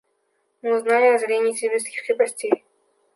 Мы узнали о разорении сибирских крепостей.